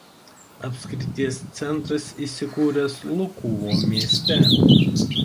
Apskrities centras įsikūręs Lukuvo mieste.